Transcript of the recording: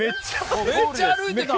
めっちゃ歩いてた！